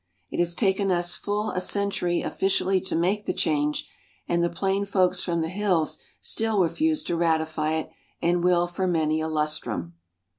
It has taken us full a century officially to make the change, and the plain folks from the hills still refuse to ratify it, and will for many a lustrum.